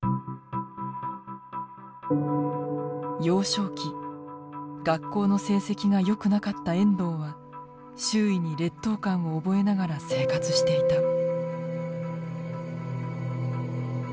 幼少期学校の成績が良くなかった遠藤は周囲に劣等感を覚えながら生活していた。